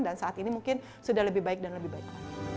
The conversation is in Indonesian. dan saat ini mungkin sudah lebih baik dan lebih baik